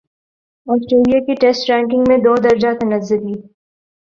Australia کی test ranking میں دو درجہ تنزلی